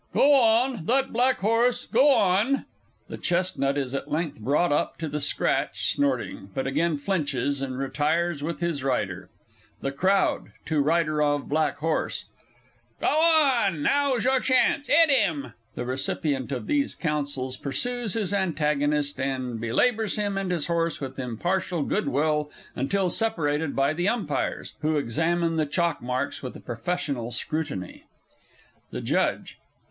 _) Go on that black horse go on! (The chestnut is at length brought up to the scratch snorting, but again flinches, and retires with his rider.) THE CROWD (to rider of black horse). Go on, now's your chance! 'It him! (_The recipient of these counsels pursues his antagonist, and belabours him and his horse with impartial good will until separated by the Umpires, who examine the chalk marks with a professional scrutiny._) THE JUDGE.